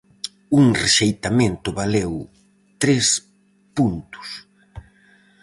Un rexeitamento valeu tres puntos.